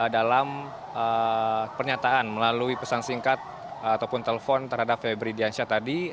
dalam pernyataan melalui pesan singkat ataupun telepon terhadap febri diansyah tadi